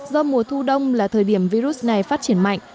do mùa thu đông là thời điểm virus này phát triển mạnh